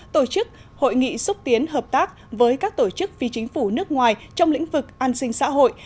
tổ chức hội nghị xúc tiến hợp tác với các tổ chức phi chính phủ nước ngoài trong lĩnh vực an sinh xã hội